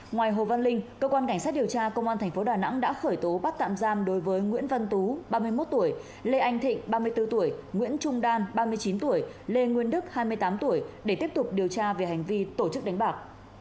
ngoài hồ văn linh cơ quan cảnh sát điều tra công an tp đà nẵng đã khởi tố bắt tạm giam đối với nguyễn văn tú ba mươi một tuổi lê anh thịnh ba mươi bốn tuổi nguyễn trung đan ba mươi chín tuổi lê nguyên đức hai mươi tám tuổi để tiếp tục điều tra về hành vi tổ chức đánh bạc